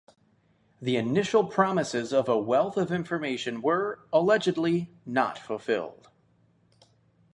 The initial promises of a wealth of information were, allegedly, not fulfilled.